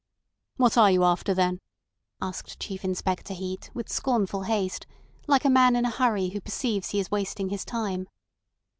"What are you after, then?" asked Chief Inspector Heat, with scornful haste, like a man in a hurry who perceives he is wasting his time.